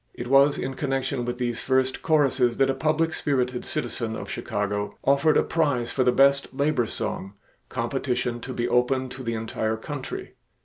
It was in connection with these first choruses that a public spirited citizen of Chicago offered a prize for the best labor song, competition to be open to the entire country.